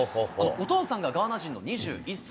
お父さんがガーナ人の２１歳。